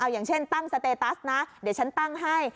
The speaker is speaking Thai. อย่างเช่นตั้งสเตตัสนะเดี๋ยวฉันตั้งให้